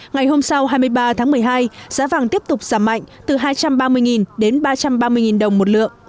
ngày hôm sau hai mươi ba tháng một mươi hai giá vàng tiếp tục giảm mạnh từ hai trăm ba mươi đến ba trăm ba mươi đồng một lượng